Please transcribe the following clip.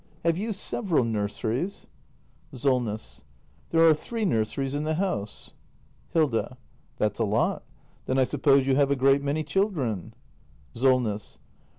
] Have you several nurseries ? Solness. There are three nurseries in the house. Hilda. That's a lot. Then I suppose you have a great many children ? Solness.